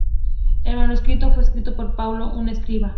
El manuscrito fue escrito por Paulo, un escriba.